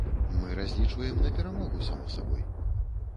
Мы разлічваем на перамогу, само сабой.